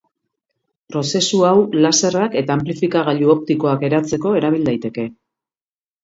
Prozesu hau laserrak eta anplifikagailu optikoak eratzeko erabil daiteke.